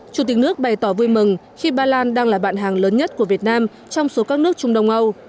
chủ tịch nước bày tỏ vui mừng khi ba lan đang là bạn hàng lớn nhất của việt nam trong số các nước trung đông âu